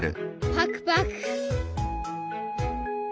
パクパク。